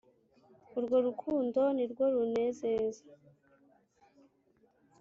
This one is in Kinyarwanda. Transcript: Urwo rukundo ni rwo runezeza.